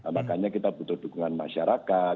makanya kita butuh dukungan masyarakat